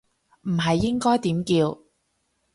唔係應該點叫